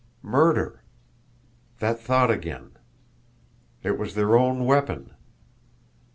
Murder! That thought again! It was their own weapon!